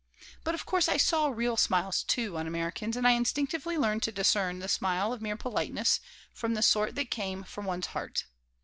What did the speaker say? But, of course, I saw "real smiles," too, on Americans, and I instinctively learned to discern the smile of mere politeness from the sort that came from one's heart.